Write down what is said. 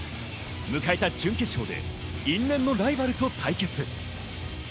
迎えた準決勝で因縁のライバルと対決。